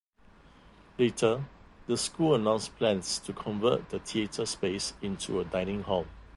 Later, the school announced plans to convert the theatre space into a dining hall.